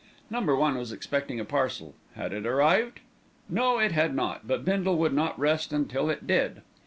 Number One was expecting a parcel. Had it arrived? No, it had not, but Bindle would not rest until it did.